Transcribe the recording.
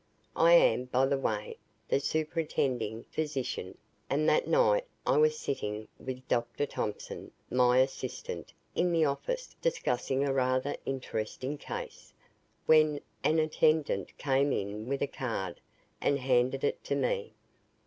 I am, by the way, the superintending physician, and that night I was sitting with Dr. Thompson, my assistant, in the office discussing a rather interesting case, when an attendant came in with a card and handed it to me.